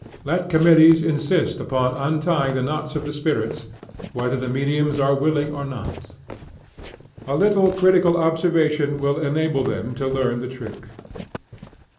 Let committees insist upon untying the knots of the spirits, whether the mediums are willing or not. A little critical observation will enable them to learn the trick.